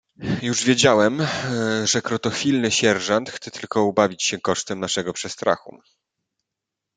"Już wiedziałem, że krotochwilny sierżant chce tylko ubawić się kosztem naszego przestrachu."